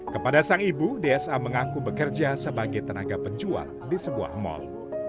kepada sang ibu dsa mengaku bekerja sebagai tenaga penjual di sebuah mal